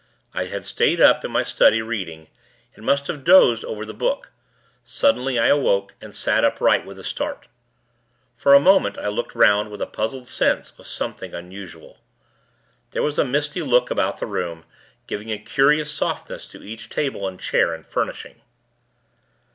I had stayed up, in my study, reading; and must have dozed over the book. Suddenly, I awoke and sat upright, with a start. For a moment, I looked 'round, with a puzzled sense of something unusual. There was a misty look about the room, giving a curious softness to each table and chair and furnishing.